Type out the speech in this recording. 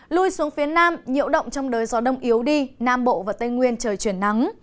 lui xuống phía nam nhiễu động trong đời gió đông yếu đi nam bộ và tây nguyên trời chuyển nắng